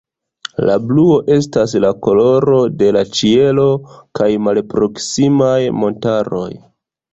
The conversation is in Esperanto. La bluo estas la koloro de la ĉielo kaj malproksimaj montaroj.